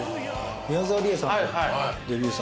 宮沢りえさんのデビュー作。